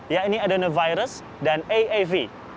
yaitu adenovirus dan aav